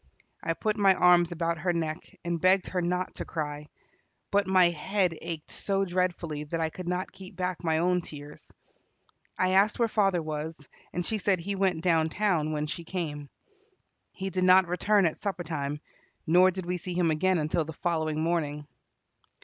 I put my arms about her neck, and begged her not to cry, but my head ached so dreadfully that I could not keep back my own tears. I asked where father was, and she said he went down town when she came. He did not return at supper time, nor did we see him again until the following morning.